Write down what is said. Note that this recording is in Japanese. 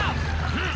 うん？